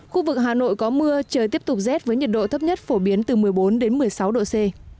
khu vực hà nội có mưa trời tiếp tục rét với nhiệt độ thấp nhất phổ biến từ một mươi bốn đến một mươi sáu độ c